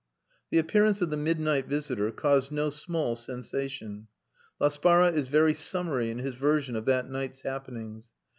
The appearance of the midnight visitor caused no small sensation. Laspara is very summary in his version of that night's happenings.